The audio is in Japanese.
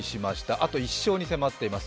あと１勝に迫っています。